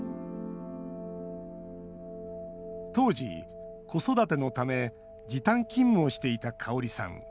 当時、子育てのため時短勤務をしていたカオリさん。